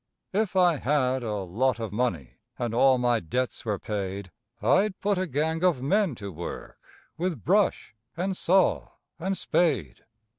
If I had a lot of money and all my debts were paid I'd put a gang of men to work with brush and saw and spade.